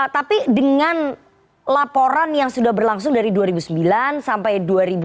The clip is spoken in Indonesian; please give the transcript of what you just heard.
tapi dengan laporan yang sudah berlangsung dari dua ribu sembilan sampai dua ribu dua puluh